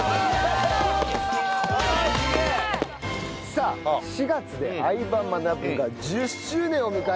さあ４月で『相葉マナブ』が１０周年を迎えると。